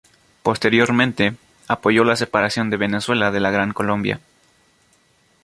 Posteriormente, apoyó la separación de Venezuela de la Gran Colombia.